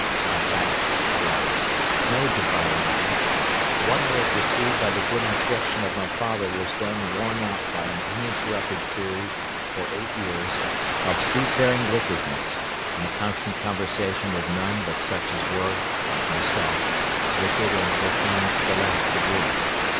I had, alas! no divine knowledge. What I had received by the good instruction of my father was then worn out by an uninterrupted series, for eight years, of seafaring wickedness, and a constant conversation with none but such as were, like myself, wicked and profane to the last degree.